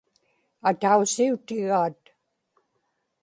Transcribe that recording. atausiutigaat